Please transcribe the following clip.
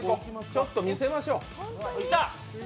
ちょっと見せましょう。